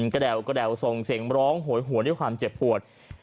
กระแดวส่งเสียงร้องโหยหวนด้วยความเจ็บปวด